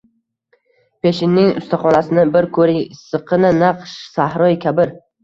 Pershinning ustaxonasini bir koʻring, issiqqina, naq Sahroyi Kabir.